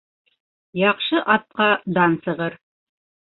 Яҡшы атҡа дан сығыр.